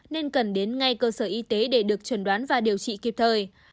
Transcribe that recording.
nên cần đến ngay cơ sở y tế để được chuẩn đoán và điều trị kịp thời